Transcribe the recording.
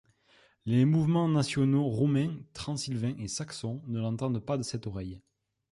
Les mouvements nationaux roumain transylvain et saxon ne l’entendent pas de cette oreille.